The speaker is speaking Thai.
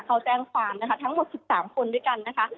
เขาแจ้งความนะคะทั้งหมด๑๓คนด้วยกันนะคะ